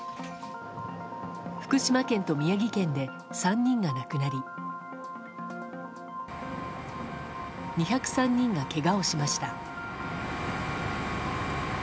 福島県と宮城県で３人が亡くなり２０３人がけがをしました。